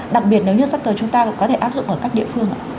đặc biệt nếu như sắc tờ chúng ta cũng có thể áp dụng ở các địa phương ạ